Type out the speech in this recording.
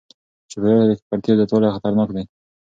چاپیریال ته د ککړتیا زیاتوالی خطرناک دی.